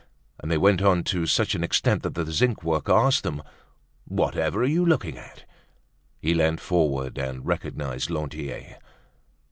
And they went on to such an extent that the zinc worker asked them: "Whatever are you looking at?" He leant forward and recognized Lantier.